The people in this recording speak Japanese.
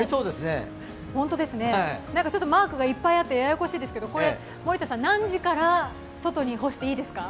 マークがいっぱいあってややこしいですけど何時から外に干していいですか？